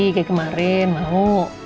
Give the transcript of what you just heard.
kayak kemarin mau